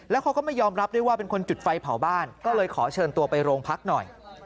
แล้วเขาก็ไม่ยอมรับด้วยว่าเป็นคนจุดไฟเผาบ้านก็เลยขอเชิญตัวไปโรงพักหน่อย